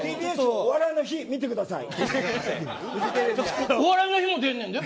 ＴＢＳお笑いの日見てください。